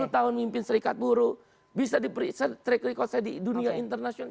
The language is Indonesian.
tiga puluh tahun mimpin serikat buruh bisa diperiksa track record saya di dunia internasional